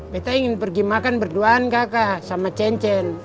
betta ingin pergi makan berduaan kakak sama cen cen